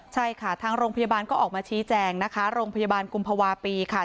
ใช่ค่ะทางโรงพยาบาลก็ออกมาชี้แจงนะคะโรงพยาบาลกุมภาวะปีค่ะ